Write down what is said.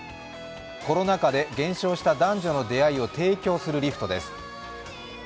コロナ禍で減少した男女の出会いを提供するリフトです。